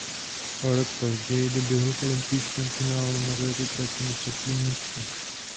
O rok později doběhl v olympijském finále na této trati na třetím místě.